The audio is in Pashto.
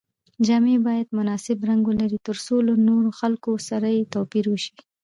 جامې باید مناسب رنګ ولري تر څو له نورو خلکو سره یې توپیر وشي.